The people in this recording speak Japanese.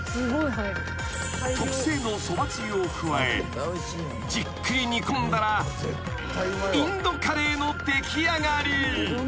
［特製のそばつゆを加えじっくり煮込んだらインドカレーの出来上がり］